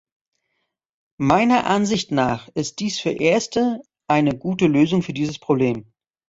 Meiner Ansicht nach ist dies fürs Erste eine gute Lösung für dieses Problem.